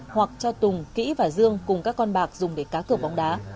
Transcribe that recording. hoặc cho tùng kỹ và dương cùng các con bạc dùng để cá cửa bóng đá